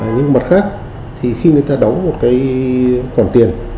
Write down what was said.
nhưng mặt khác thì khi người ta đóng một cái khoản tiền